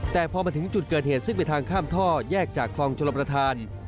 แต่พอมาถึงจุดเกิดเหตุซึ่งเป็นทางข้ามท่อแยกจากคลองชลประธาน